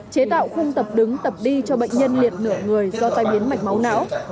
chế tạo khung tập đứng tập đi cho bệnh nhân liệt nửa người do tai biến mạch máu não